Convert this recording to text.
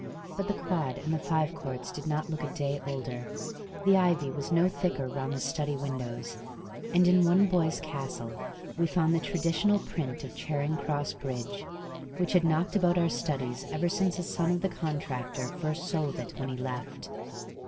But the quad and the fives courts did not look a day older; the ivy was no thicker round the study windows; and in one boy's castle we found the traditional print of Charing Cross Bridge which had knocked about our studies ever since a son of the contractor first sold it when he left.